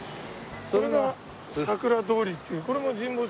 これがさくら通りっていうこれも神保町。